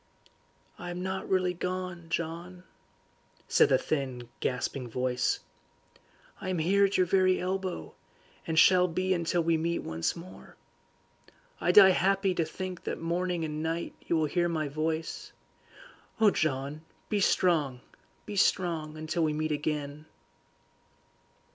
"I am not really gone, John," said the thin, gasping voice. "I am here at your very elbow, and shall be until we meet once more. I die happy to think that morning and night you will hear my voice. Oh, John, be strong, be strong, until we meet again."